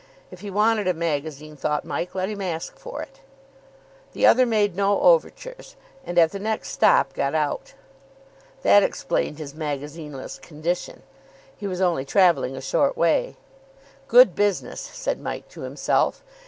If he wanted a magazine, thought Mike, let him ask for it. The other made no overtures, and at the next stop got out. That explained his magazineless condition. He was only travelling a short way. "Good business," said Mike to himself.